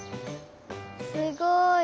すごい。